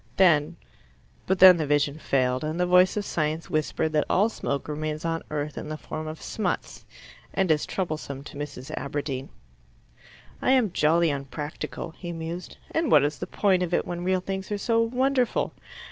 Then but then the vision failed, and the voice of science whispered that all smoke remains on earth in the form of smuts, and is troublesome to Mrs. Aberdeen. "I am jolly unpractical," he mused. "And what is the point of it when real things are so wonderful?